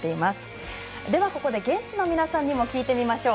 ではここで現地の皆さんにも聞いてみましょう。